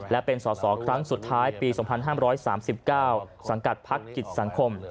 และเป็นสอสอครั้งสุดท้ายปี๒๕๓๙สังกัดพักกิจสังคม